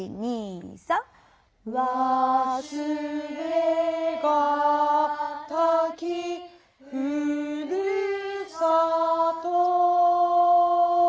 「わすれがたきふるさと」